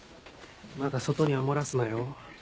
まだ外には漏らすなよ。